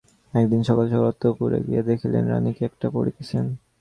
একদিন সকাল সকাল অন্তঃপুরে গিয়া দেখিলেন, রানী কী একটা পড়িতেছেন।